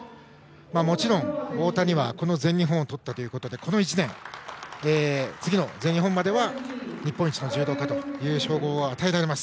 もちろん、太田にはこの全日本をとったというので次の全日本までは日本一の柔道家という称号を与えられます。